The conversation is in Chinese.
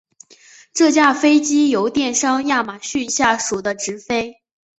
这架飞机由电商亚马逊下属的执飞。